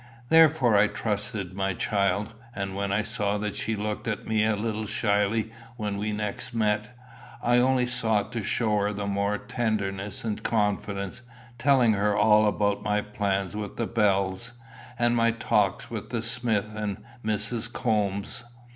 Therefore I trusted my child. And when I saw that she looked at me a little shyly when we next met, I only sought to show her the more tenderness and confidence, telling her all about my plans with the bells, and my talks with the smith and Mrs. Coombes.